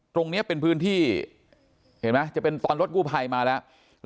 ตรงนี้เป็นพื้นที่เห็นไหมจะเป็นตอนรถกู้ภัยมาแล้ว